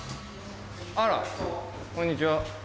あら、こんにちは。